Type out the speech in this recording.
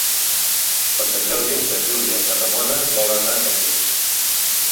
Per Sant Jordi na Júlia i na Ramona volen anar a Campins.